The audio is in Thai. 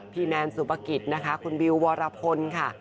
พี่แมนสุปกิจค่ะคุณบิววรพลค่ะ